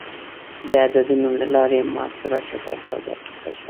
د عددونو له لارې محاسبه چټکه او دقیق شوه.